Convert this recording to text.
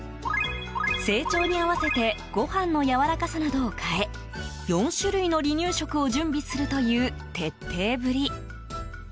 成長に合わせてごはんのやわらかさを変えるなど４種類の離乳食を準備するという徹底ぶり。